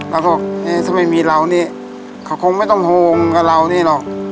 แล้วก็บอกเอ๊ะถ้าไม่มีเรานี่เขาคงไม่ต้องห่วงกับเรานี่หรอก